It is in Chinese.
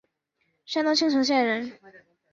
山东青城县人。